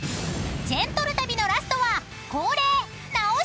［ジェントル旅のラストは］